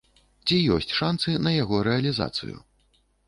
Ці ёсць шанцы на яго рэалізацыю?